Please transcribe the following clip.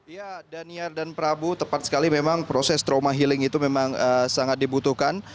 ya daniar dan prabu tepat sekali memang proses trauma healing itu memang sangat dibutuhkan